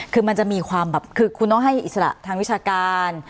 คือมันจะมีความแบบคือคุณต้องให้อิสระทางวิชาการ